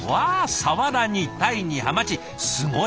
サワラにタイにハマチすごい！